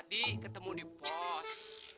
di ketemu di pos